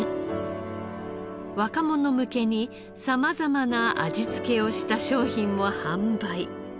若者向けに様々な味付けをした商品も販売。